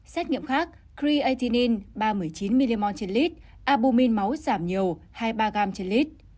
xét nghiệm khác creatinine ba mươi chín mmol trên lít albumin máu giảm nhiều hai mươi ba gram trên lít